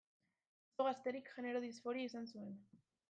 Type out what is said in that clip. Oso gazterik genero-disforia izan zuen.